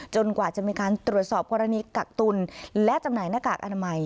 กว่าจะมีการตรวจสอบกรณีกักตุลและจำหน่ายหน้ากากอนามัย